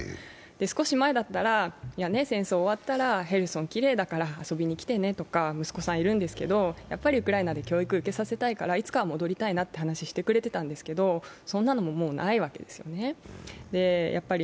少し前だったら、戦争終わったらヘルソンきれいだから遊びに来てねとか、息子さんがいるんですけど、やっぱりウクライナで教育を受けさせたいからいつか帰りたいと言っていたわけですがそんなのも、もうないわけですよね